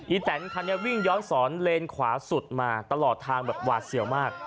แตนคันนี้วิ่งย้อนสอนเลนขวาสุดมาตลอดทางแบบหวาดเสียวมาก